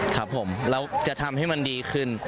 ครับผมแล้วจะทำให้มันดีขึ้น